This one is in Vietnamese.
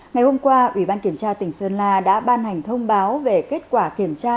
ngày hôm qua ủy ban kiểm tra tỉnh sơn la đã ban hành thông báo về kết quả kiểm tra